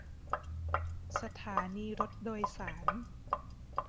สถานีรถโดยสาร